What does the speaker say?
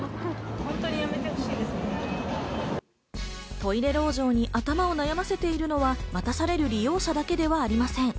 トイレ籠城に頭を悩ませているのは、待される利用者だけではありません。